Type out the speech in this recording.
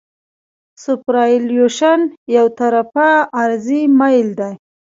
سوپرایلیویشن یو طرفه عرضي میل دی